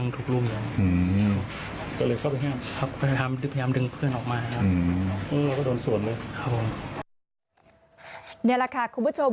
นี่แหละค่ะคุณผู้ชม